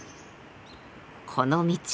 この道